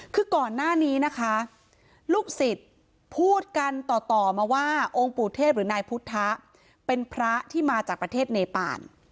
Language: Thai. คือก่อนหน้านี้นะคะลูกศิษย์พูดกันต่อมาว่าองค์ปู่เทพหรือนายพุทธเป็นพระที่มาจากประเทศเนปาน